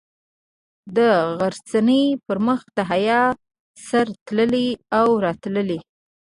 د غرڅنۍ پر مخ د حیا سره تلل او راتلل.